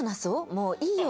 もういいよ。